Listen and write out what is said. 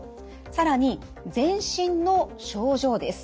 更に全身の症状です。